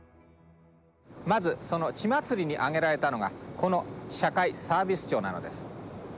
まずその血祭りにあげられたのがこの社会サービス庁なのです。